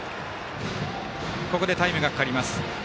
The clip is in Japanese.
ここでタイムがかかります。